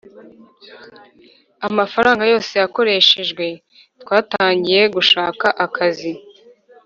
amafaranga yose yakoreshejwe, twatangiye gushaka akazi.